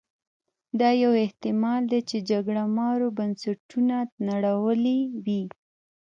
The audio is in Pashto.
دا یو احتما ل دی چې جګړه مارو بنسټونه نړولي وي.